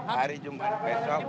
hari jumat besok